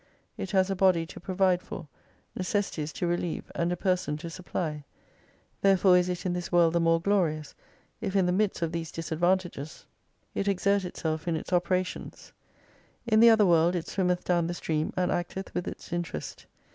It has a body to provide for, necessities to relieve, and a person to supply. Therefore is it in this world the more glorious, if in the midst of these disadvantages 2S2 it exert itself in its operations. In the other world it swimmeth down the stream, and acteth with its interest.